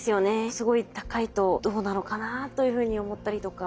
すごい高いとどうなのかな？というふうに思ったりとか。